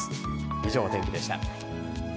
以上、お天気でした。